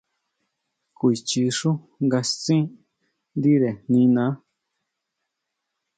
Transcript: Kuichi xú nga stsin ndire niná.